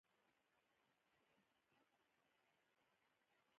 د مقالو ګډ ټکی د اصطلاحاتو رسا کېدل دي.